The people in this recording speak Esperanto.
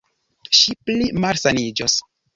Ŝi pli malsaniĝos.